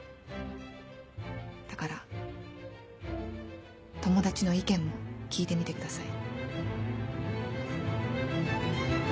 だから友達の意見も聞いてみてください。